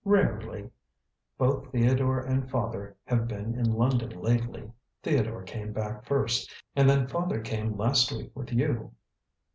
"Rarely. Both Theodore and father have been in London lately. Theodore came back first, and then father came last week with you."